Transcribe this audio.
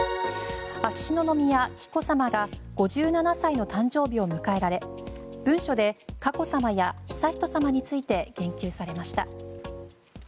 秋篠宮妃・紀子さまが５７歳の誕生日を迎えられ文書で佳子さまや悠仁さまについて言及されました。